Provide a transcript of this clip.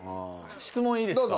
質問いいですか？